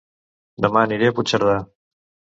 Dema aniré a Puigcerdà